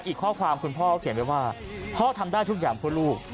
อีกข้อความคุณพ่อเขียนไว้ว่าพ่อทำได้ทุกอย่างเพื่อลูก